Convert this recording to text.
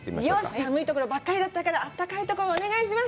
寒いところばっかりだったから、あったかいところお願いします。